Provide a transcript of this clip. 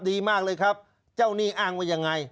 ดีมากเลยครับเจ้าหนี้อ้างว่ายังไง